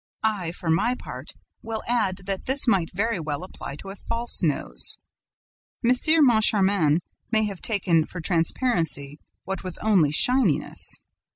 I, for my part, will add that this might very well apply to a false nose. M. Moncharmin may have taken for transparency what was only shininess.